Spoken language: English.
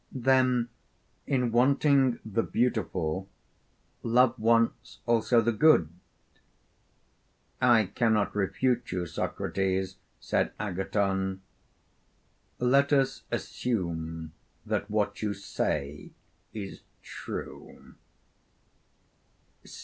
Then in wanting the beautiful, love wants also the good? I cannot refute you, Socrates, said Agathon: Let us assume that what you say is true.